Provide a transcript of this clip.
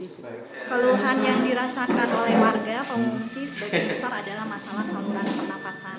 keluhan yang dirasakan oleh warga pengungsi sebagian besar adalah masalah saluran pernafasan